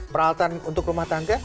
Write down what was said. peralatan untuk rumah tangga